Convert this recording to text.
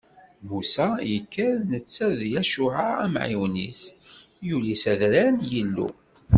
Musa yekker netta d Yacuɛa, amɛiwen-is, yuli s adrar n Yillu.